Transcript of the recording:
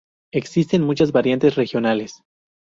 Existen muchas variantes regionales.